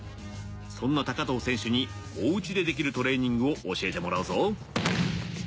そんな藤選手におうちでできるトレーニングを教えてもらうぞ。